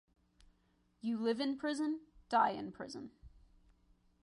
You live in prison, die in prison.